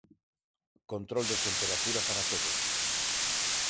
Control de temperatura para todos.